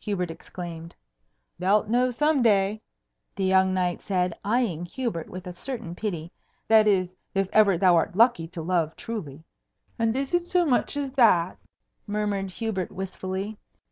Hubert exclaimed. "Thou'lt know some day," the young knight said, eying Hubert with a certain pity; "that is, if ever thou art lucky to love truly." "And is it so much as that?" murmured Hubert wistfully.